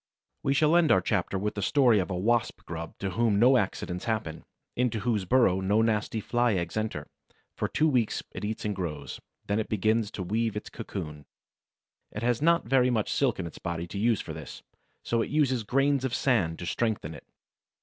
We shall end our chapter with the story of the Wasp grub to whom no accidents happen, into whose burrow no nasty Fly eggs enter. For two weeks it eats and grows; then it begins to weave its cocoon. It has not very much silk in its body to use for this, so it uses grains of sand to strengthen it.